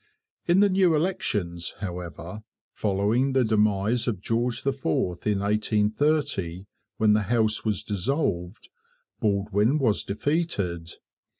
In the new elections, however, following the demise of George IV in 1830, when the House was dissolved, Baldwin was defeated.